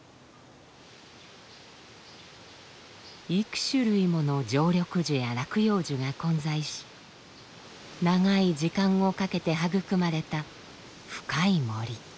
幾種類もの常緑樹や落葉樹が混在し長い時間をかけて育まれた深い森。